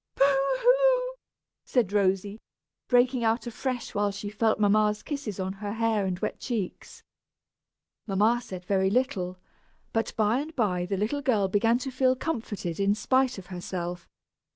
"Boo hoo!" said Rosy, breaking out afresh when she felt mamma's kisses on her hair and wet cheeks. Mamma said very little, but by and by the little girl began to feel comforted, in spite of herself.